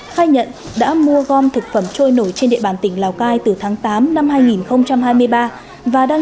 khai nhận đã mua gom thực phẩm trôi nổi trên địa bàn tỉnh lào cai từ tháng tám năm hai nghìn hai mươi ba và đang